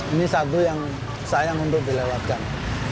ini satu yang sayang untuk dilewatkan